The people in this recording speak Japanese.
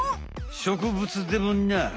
植物でもない。